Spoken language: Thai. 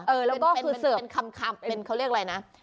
เออเป็นคำเขาเรียกอะไรนะ